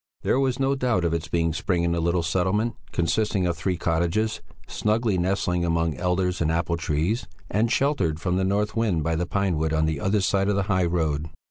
There was no doubt of its being spring in the little settlement, consisting of three cottages snugly nestling among elders and apple trees, and sheltered from the north wind by the pine wood on the other side of the High Road.